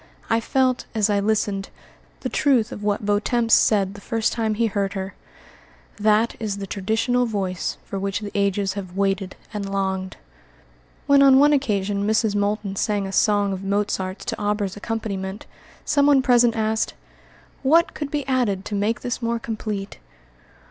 I felt, as I listened, the truth of what Vieuxtemps said the first time he heard her, "That is the traditional voice for which the ages have waited and longed." When, on one occasion, Mrs. Moulton sang a song of Mozart's to Auber's accompaniment, someone present asked, "What could be added to make this more complete?"